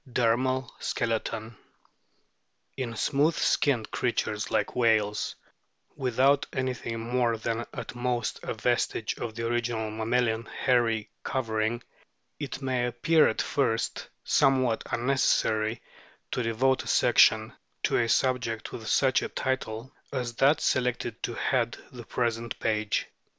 THE EXTERNAL FORM OF IV HALES 31 DERMAL SKELETON In smooth skinned creatures like whales, without anything more than at most a vestige of the original mammalian hairy covering, it may appear at first somewhat unnecessary to devote a section to a sub ject with such a title as that selected to head the present page.